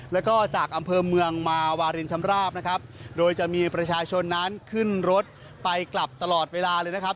แล้วก็จากอำเภอเมืองมาวารินชำราบนะครับโดยจะมีประชาชนนั้นขึ้นรถไปกลับตลอดเวลาเลยนะครับ